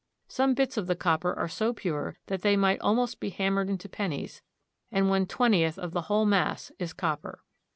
Some bits of the copper are so pure that they might al most be hammered into pennies, and one twentieth of the whole mass is copper.